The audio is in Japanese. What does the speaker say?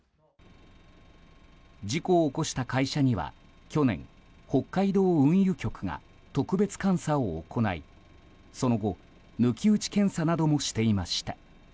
事故を起こした会社には去年北海道運輸局が特別監査を行いその後、抜き打ち検査などもしていました。